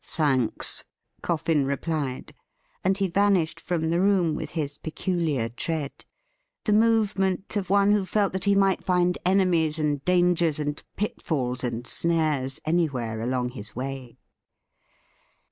' Thanks,' Coffin replied ; and hp vanished from the room with his peculiar tread — ^the movement of one who felt that he might find enemies and dangers ^nd pitfalls and snares anywhere along his way.